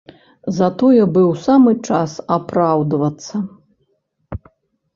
Затое быў самы час апраўдвацца.